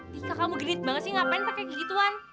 tika kamu genit banget sih ngapain pake gigituan